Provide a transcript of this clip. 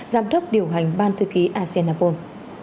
giám đốc điều hành ban thư ký asean apol